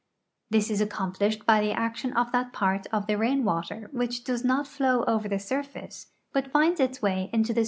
This is accom plished by the action of that part of the rain water which does not flow over the surface but finds its wa\'^ into the